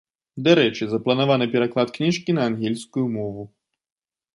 Дарэчы, запланаваны пераклад кніжкі на ангельскую мову.